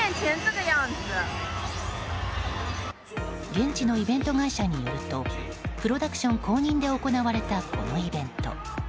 現地のイベント会社によるとプロダクション公認で行われたこのイベント。